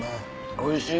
おいしい！